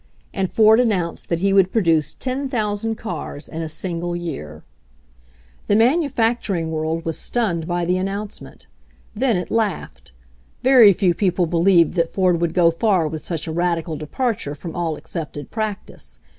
And Ford announced that he would pro duce 10,000 cars in a single year. The manufacturing world was stunned by the announcement. Then it laughed. Very few peo ple believed that Ford would go far with such a radical departure from all accepted practice.